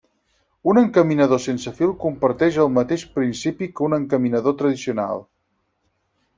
Un encaminador sense fil comparteix el mateix principi que un encaminador tradicional.